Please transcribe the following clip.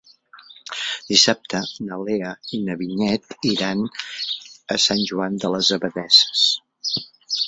Dissabte na Lea i na Vinyet iran a Sant Joan de les Abadesses.